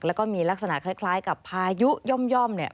แล้วก็มีลักษณะคล้ายกับพายุย่อมเนี่ย